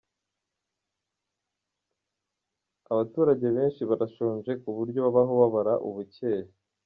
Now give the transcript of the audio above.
Abaturage benshi barashonje ku buryo babaho babara ubukeye.